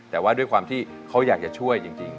แต่ว่าด้วยความที่เขาอยากจะช่วยจริง